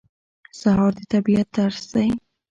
سهار د طبیعت درس دی.